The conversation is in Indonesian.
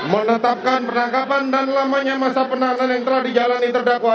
menetapkan penangkapan dan lamanya masa penahanan yang telah dijalani terdakwa